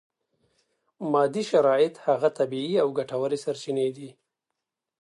مادي شرایط هغه طبیعي او ګټورې سرچینې دي.